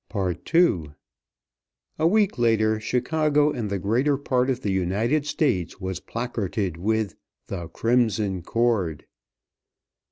II. A week later Chicago and the greater part of the United States was placarded with "The Crimson Cord."